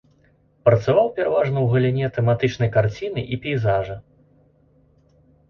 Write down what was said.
Працаваў пераважна ў галіне тэматычнай карціны і пейзажа.